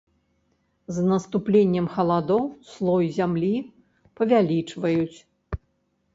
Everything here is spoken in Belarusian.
З наступленнем халадоў слой зямлі павялічваюць.